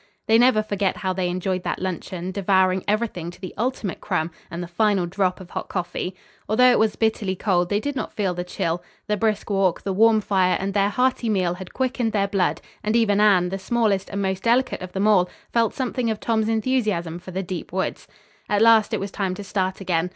They never forget how they enjoyed that luncheon, devouring everything to the ultimate crumb and the final drop of hot coffee. Although it was bitterly cold, they did not feel the chill. The brisk walk, the warm fire and their hearty meal had quickened their blood, and even Anne, the smallest and most delicate of them all, felt something of Tom's enthusiasm for the deep woods. At last it was time to start again.